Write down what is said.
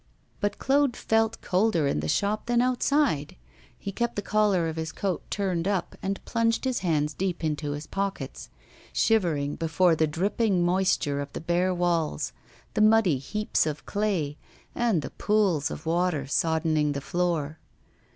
But Claude felt colder in the shop than outside. He kept the collar of his coat turned up, and plunged his hands deep into his pockets; shivering before the dripping moisture of the bare walls, the muddy heaps of clay, and the pools of water soddening the floor.